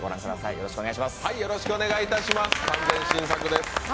よろしくお願いします。